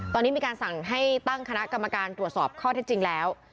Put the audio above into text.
ตอนนี้มีการสั่งให้ตั้งคณะกรรมการตรวจสอบข้อเท็จจริงแล้ว